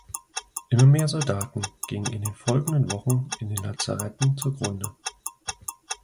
Immer mehr Soldaten gingen in den folgenden Wochen in den Lazaretten zugrunde.